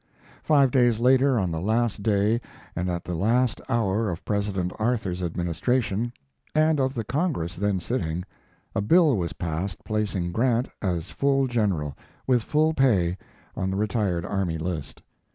Five days later, on the last day and at the last hour of President Arthur's administration, and of the Congress then sitting, a bill was passed placing Grant as full General, with full pay, on the retired army list.